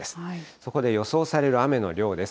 そこで予想される雨の量です。